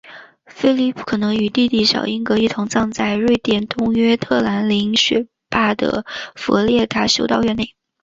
菲里普可能与弟弟小英格一同葬在瑞典东约特兰林雪坪的弗列达修道院内。